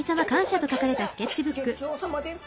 ギョちそうさまです。